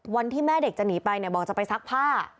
วันที่แม่เด็กจะหนีไปเนี่ยบอกจะไปซักผ้า